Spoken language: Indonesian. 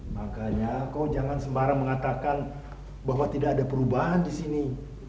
makanya kau jangan sembarang mengatakan bahwa tidak ada perubahan di sini